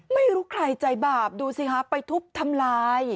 ไม่รู้ใครใจบาปดูสิคะไปทุบทำลาย